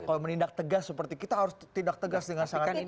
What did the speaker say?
kalau menindak tegas seperti kita harus tindak tegas dengan sangat tegas